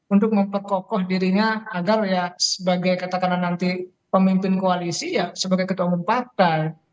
untuk memperkokoh dirinya agar ya sebagai katakanlah nanti pemimpin koalisi ya sebagai ketua umum partai